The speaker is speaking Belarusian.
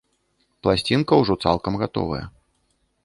Пласцінка ўжо цалкам гатовая.